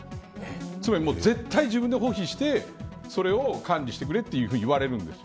つまり、絶対に自分で保持してそれを管理してくれと言われるんです。